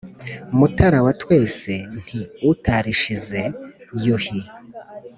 mutara wa twese nti utarishize, yuhi